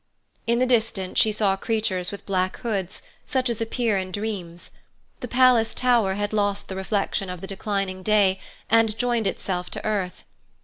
In the distance she saw creatures with black hoods, such as appear in dreams. The palace tower had lost the reflection of the declining day, and joined itself to earth.